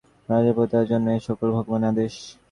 রাজ্য-পরিত্যাগের জন্য এ-সকল ভগবানের আদেশ।